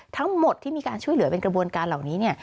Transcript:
ทั้งหมดที่มีการช่วยเหลือเป็นกระบวนการเหล่านี้เนี่ย